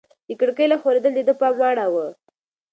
د کړکۍ لږ ښورېدل د ده پام واړاوه.